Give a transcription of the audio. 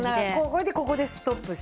これでここでストップして。